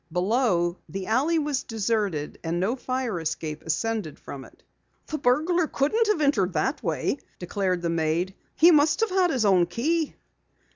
Below, the alley was deserted, and no fire escape ascended from it. "The burglar couldn't have entered that way," declared the maid. "He must have had his own key."